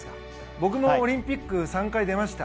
僕もオリンピック３回出ました。